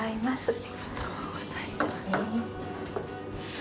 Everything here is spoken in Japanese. ありがとうございます。